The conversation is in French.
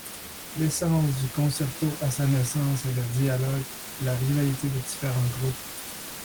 L’essence du concerto à sa naissance est le dialogue, la rivalité de différents groupes.